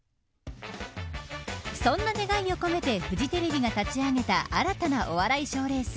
そんな願いを込めてフジテレビが立ち上げた新たなお笑い賞レース